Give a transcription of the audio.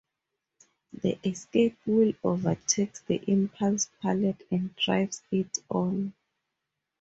The escape wheel overtakes the impulse pallet and drives it on.